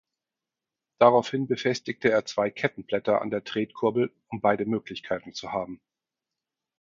Daraufhin befestigte er zwei Kettenblätter an der Tretkurbel, um beide Möglichkeiten zu haben.